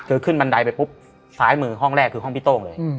คือขึ้นบันไดไปปุ๊บซ้ายมือห้องแรกคือห้องพี่โต้งเลย